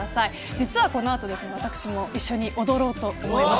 実はこの後、私も一緒に踊ろうと思います。